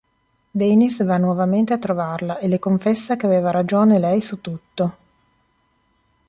Denys va nuovamente a trovarla e le confessa che aveva ragione lei su tutto.